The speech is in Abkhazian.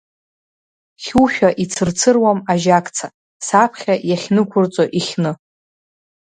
Хьушәа ицырцыруам ажьакца, саԥхьа иахьнықәырҵо ихьны.